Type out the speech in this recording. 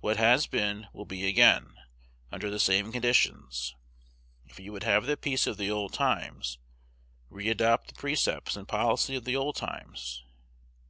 What has been will be again, under the same conditions. If you would have the peace of the old times, re adopt the precepts and policy of the old times.